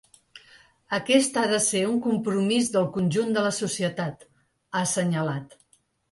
“Aquest ha de ser un compromís del conjunt de la societat”, ha assenyalat.